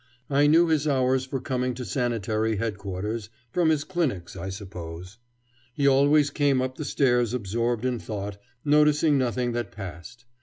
I knew his hours for coming to Sanitary Headquarters from his clinics, I suppose. He always came up the stairs absorbed in thought, noticing nothing that passed.